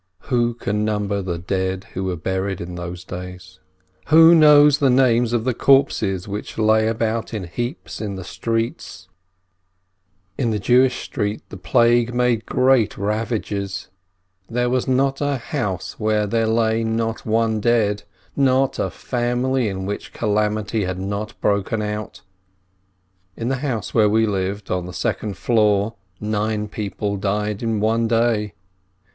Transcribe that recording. Who can number the dead who were buried in those days! Who knows the names of the corpses which lay about in heaps in the streets ! In the Jewish street the plague made great ravages: there was not a house where there lay not one dead — not a family in which the calamity had not broken out. In the house where we lived, on the second floor, nine people died in one day.